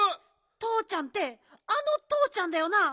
とうちゃんってあのとうちゃんだよな？